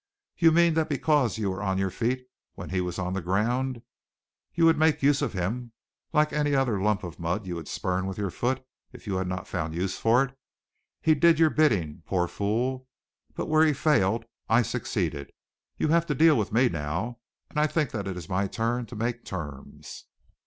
"You mean that because you were on your feet when he was on the ground, you would make use of him like any other lump of mud you would spurn with your foot if you had not found a use for it. He did your bidding, poor fool, but where he failed, I succeeded. You have to deal with me now, and I think that it is my turn to make terms!"